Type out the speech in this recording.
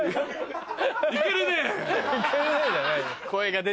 「イケるね」じゃないよ。